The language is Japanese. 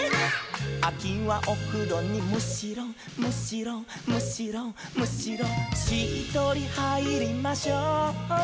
「あきはおふろにむしろむしろむしろむしろ」「しっとりはいりましょう」